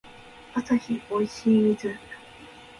アサヒおいしい水